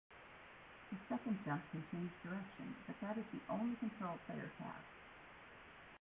The second jump can change direction, but that is the only control players have.